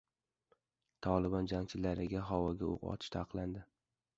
Tolibon jangchilariga havoga o‘q otish taqiqlandi